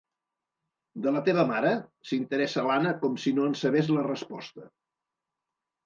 De la teva mare? —s'interessa l'Anna, com si no en sabés la resposta.